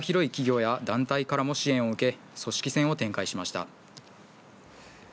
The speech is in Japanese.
また、幅広い企業や団体からも支援を受け、組織戦を展開しました。